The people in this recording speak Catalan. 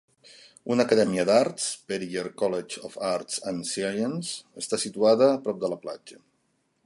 Una acadèmia d'arts, Periyar College of Arts and Science, està situada prop de la platja.